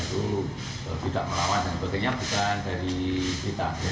jadi dari keterangan dokter itu adalah yang bersifat objektif dan bisa dijawabkan